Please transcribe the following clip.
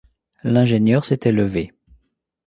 L’ingénieur s’était levé.